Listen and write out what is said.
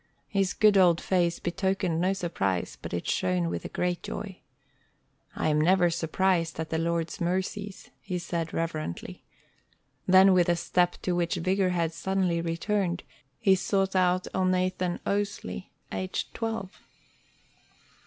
His good old face betokened no surprise, but it shone with a great joy. "I am never surprised at the Lord's mercies," he said, reverently. Then, with a step to which vigor had suddenly returned, he sought out Elnathan Owsley, aged twelve.